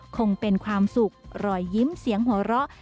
คงเป็นความสุขรอยยิ้มเสียงหัวเราะ